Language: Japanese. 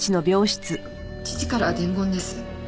父から伝言です。